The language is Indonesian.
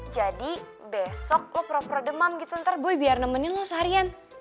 jadi besok lo pura pura demam gitu ntar boy biar nemenin lo seharian